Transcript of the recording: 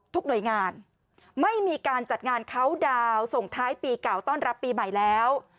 หน่วยงานไม่มีการจัดงานเขาดาวน์ส่งท้ายปีเก่าต้อนรับปีใหม่แล้ว